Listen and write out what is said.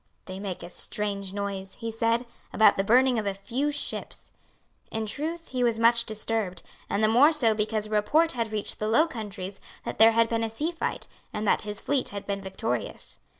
"They make a strange noise," he said, "about the burning of a few ships." In truth he was much disturbed, and the more so because a report had reached the Low Countries that there had been a sea fight, and that his fleet had been victorious.